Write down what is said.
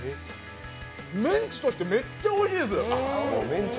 メンチとしてめっちゃおいしいです